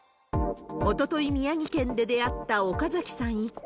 おととい、宮城県で出会った岡崎さん一家。